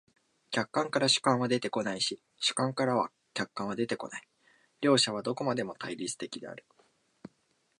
客観からは主観は出てこないし、主観からは客観は出てこない、両者はどこまでも対立的である。